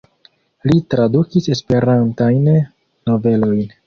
Li tradukis Esperantajn novelojn.